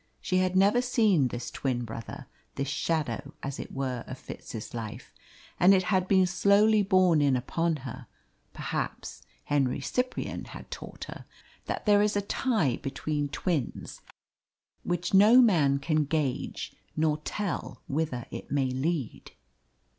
She had never seen this twin brother this shadow as it were of Fitz's life and it had been slowly borne in upon her perhaps Henry Cyprian had taught her that there is a tie between twins which no man can gauge nor tell whither it may lead.